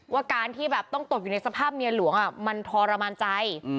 ว่าการที่แบบต้องตกอยู่ในสภาพเมียหลวงมันทรมานใจ